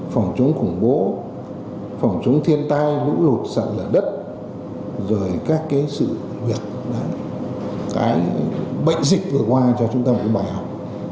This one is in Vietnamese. phòng chống khủng bố phòng chống thiên tai lũ lụt sẵn lở đất rồi các cái sự huyệt cái bệnh dịch vừa qua cho chúng ta một bài học